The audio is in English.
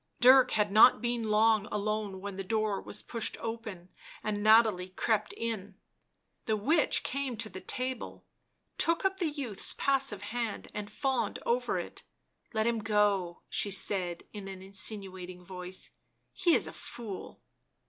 Dirk had not been long alone when the door was pushed open and Nathalie crept in. The witch came to the table, took up the youth's passive hand and fawned over it. " Let him go," she said in an insinuating voice. " He is a fool."